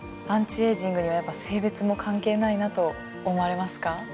アンチエイジングにはやっぱ性別も関係ないなと思われますか？